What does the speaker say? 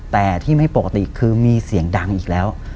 แต่ที่ไม่ปกติคือมีเสียงดังอีกแล้ว